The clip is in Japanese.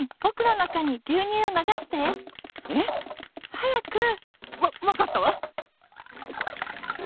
はやく！わわかったわ。